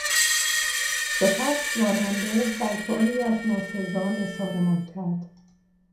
سپس راننده رگباری از ناسزا نثارمان کرد.